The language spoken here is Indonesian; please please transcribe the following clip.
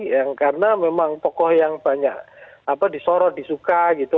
yang karena memang tokoh yang banyak disorot disuka gitu